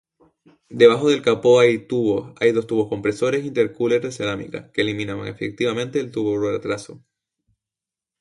Debajo del capó hay dos turbocompresores intercooler de cerámica, que eliminan efectivamente el turbo-retraso.